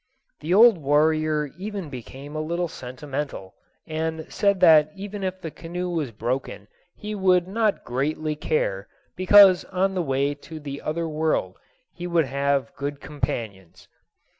The old warrior even became a little sentimental, and said that even if the canoe was broken he would not greatly care, because on the way to the other world he would have good companions.